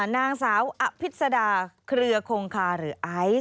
นางสาวอภิษดาเครือคงคาหรือไอซ์